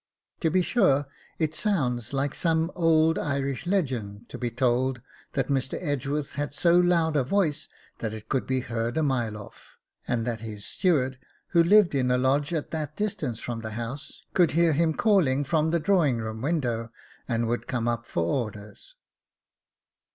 To be sure, it sounds like some old Irish legend to be told that Mr. Edgeworth had so loud a voice that it could be heard a mile off, and that his steward, who lived in a lodge at that distance from the house, could hear him calling from the drawing room window, and would come up for orders.